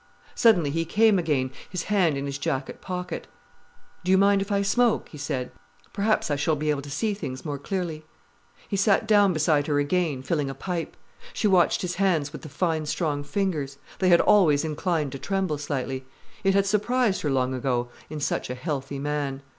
Suddenly he came again, his hand in his jacket pocket. "Do you mind if I smoke?" he said. "Perhaps I shall be able to see things more clearly." He sat down beside her again, filling a pipe. She watched his hands with the fine strong fingers. They had always inclined to tremble slightly. It had surprised her, long ago, in such a healthy man.